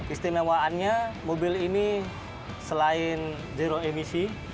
istimewaannya mobil ini selain zero emisi